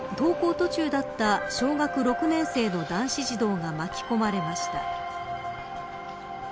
途中だった小学６年生の男子児童が巻き込まれました。